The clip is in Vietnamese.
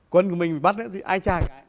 quân của mình bị bắt ấy thì ai tra một cái